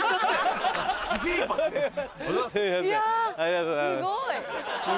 ありがとうございます。